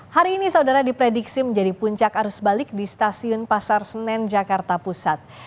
hari ini saudara diprediksi menjadi puncak arus balik di stasiun pasar senen jakarta pusat